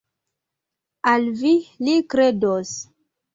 Al vi li kredos!